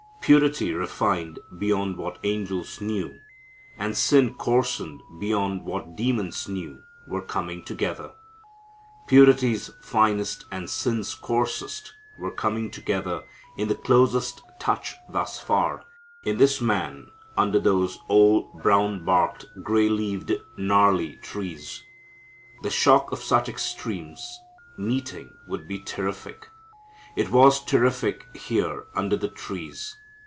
Purity refined beyond what angels knew, and sin coarsened beyond what demons knew were coming together. Purity's finest and sin's coarsest were coming together in the closest touch thus far, in this Man under those old brown barked gray leaved, gnarly trees. The shock of such extremes meeting would be terrific. It was terrific here under the trees.